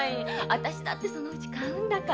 私だってそのうち買うんだから。